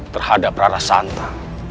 terhadap rara santa